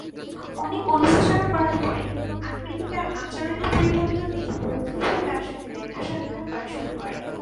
অনেক অনুশোচনা করার পরে, আকৃতি তার আচরণের পরিবর্তন দেখে মুগ্ধ হয়ে তার সাথে দেখা-সাক্ষাৎ করা শুরু করে।